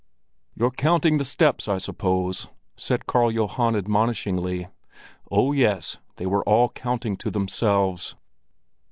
"You're counting the steps, I suppose?" said Karl Johan admonishingly. Oh, yes, they were all counting to themselves.